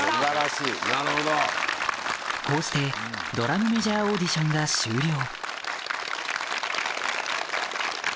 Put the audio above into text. こうしてドラムメジャーオーディションが終了